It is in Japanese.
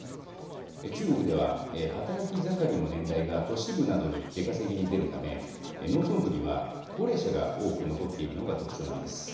中国では、働き盛りの年代が都市部などに出稼ぎに出るため農村部には高齢者が多く残っているのが特徴なんです。